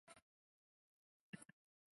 他在帕萨迪娜的理工学校读中学。